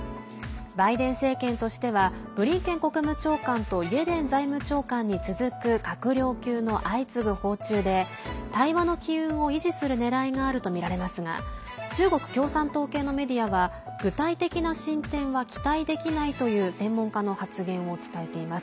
バイデン政権としてはブリンケン国務長官とイエレン財務長官に続く閣僚級の相次ぐ訪中で対話の機運を維持するねらいがあるとみられますが中国共産党系のメディアは具体的な進展は期待できないという専門家の発言を伝えています。